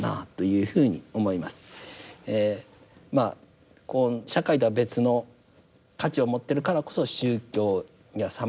まあ社会とは別の価値を持ってるからこそ宗教にはさまざまな棘も毒もある。